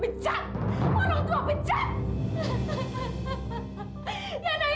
ini apa yang jodohnya